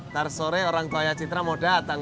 nanti sore orang tua ya citra mau datang